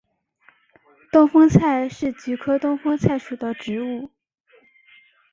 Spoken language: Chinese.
东风菜是菊科东风菜属的植物。